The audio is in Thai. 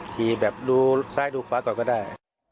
ขี่แบบดูซ้ายดูขวาก่อนก็ได้